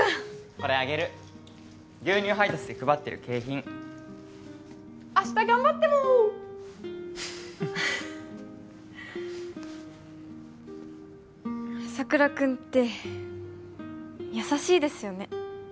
これあげる牛乳配達で配ってる景品明日頑張ってモウ朝倉君って優しいですよね